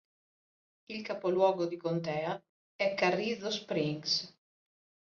Il capoluogo di contea è Carrizo Springs.